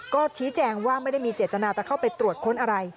ก็ชี้แจงว่าไม่ได้มีเจตนาจะเข้าไปตรวจค้นอะไร